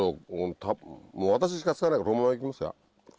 もう私しか使わないからこのまま行きますよ。